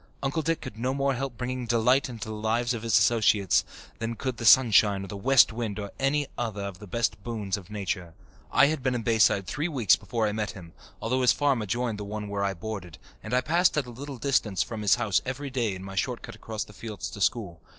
Uncle Dick could no more help bringing delight into the lives of his associates than could the sunshine or the west wind or any other of the best boons of nature. I had been in Bayside three weeks before I met him, although his farm adjoined the one where I boarded and I passed at a little distance from his house every day in my short cut across the fields to school.